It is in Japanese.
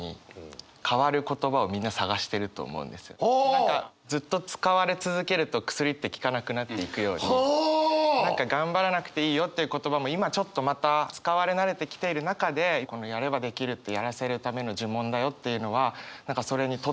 何かずっと使われ続けると薬って効かなくなっていくように「頑張らなくていいよ」という言葉も今ちょっとまた使われ慣れてきている中でこの「やればできるって、やらせるための呪文だよ」っていうのは何かそれに取って代わる